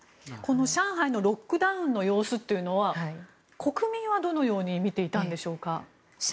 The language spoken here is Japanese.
上海のロックダウンの様子というのは国民はどのように見ていたんでしょうか。